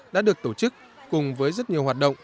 đã được tổ chức cùng với rất nhiều hoạt động